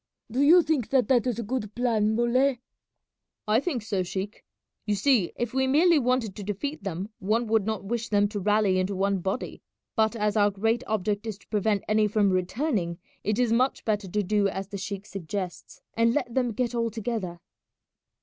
"Do you think that that is a good plan, Muley?" "I think so, sheik. You see, if we merely wanted to defeat them one would not wish them to rally into one body; but as our great object is to prevent any from returning, it is much better to do as the sheik suggests and let them get all together."